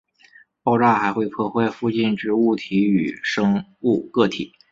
爆炸还会破坏附近之物体与生物个体。